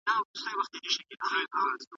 طبیعي خواړه روغتیا تضمینوي.